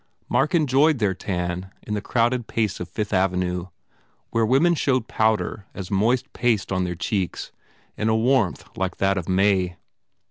Mark enjoyed their tan in the crowded pace of Fifth Avenue where women showed powder as moist paste on their cheeks in a warmth like that of May.